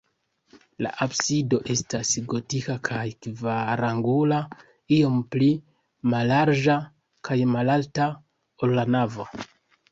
La absido estas gotika kaj kvarangula, iom pli mallarĝa kaj malalta, ol la navo.